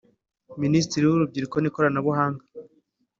Minisitiri w’urubyiruko n’ikoranabunga